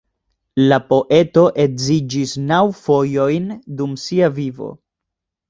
La poeto edziĝis naŭ fojojn dum sia vivo.